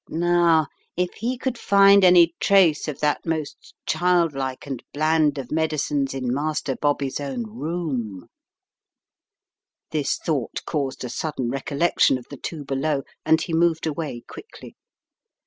Now if he could find any trace of that most child like and bland of medicines in Master Bobby's own room This thought caused a sudden recol lection of the two below and he moved away quickly.